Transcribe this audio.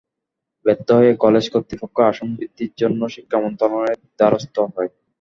ব্যর্থ হয়ে কলেজ কর্তৃপক্ষ আসন বৃদ্ধির জন্য শিক্ষা মন্ত্রণালয়ের দ্বারস্থ হয়।